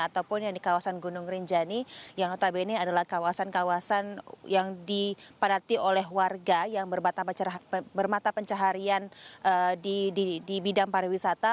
ataupun yang di kawasan gunung rinjani yang notabene adalah kawasan kawasan yang dipadati oleh warga yang bermata pencaharian di bidang pariwisata